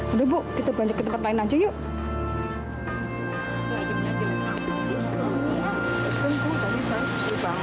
udah ibu kita belanja ke tempat lain aja yuk